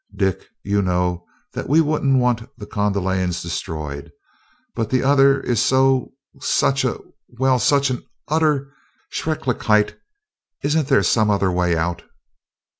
"Dick, you know that we wouldn't want the Kondalians destroyed but the other is so such a well, such an utter shrecklichkeit isn't there some other way out?"